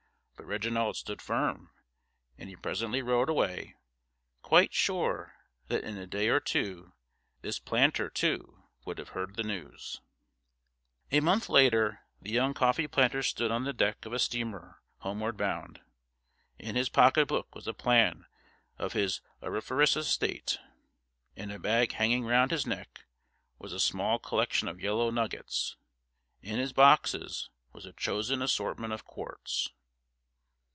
But Reginald stood firm, and he presently rode away, quite sure that in a day or two this planter, too, would have heard the news. A month later, the young coffee planter stood on the deck of a steamer homeward bound. In his pocket book was a plan of his auriferous estate; in a bag hanging round his neck was a small collection of yellow nuggets; in his boxes was a chosen assortment of quartz.